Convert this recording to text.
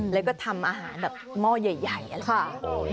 แล้วก็ทำอาหารแบบหม้อใหญ่แบบนี้